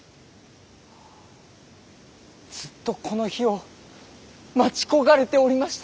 ずっとこの日を待ち焦がれておりました。